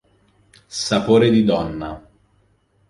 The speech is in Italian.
Sapore di donna